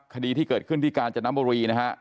คดีที่เกิดขึ้นที่การจัดน้ำบรีนะฮะ